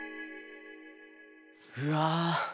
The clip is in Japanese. うわ。